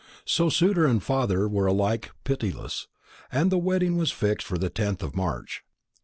So suitor and father were alike pitiless, and the wedding was fixed for the 10th of March.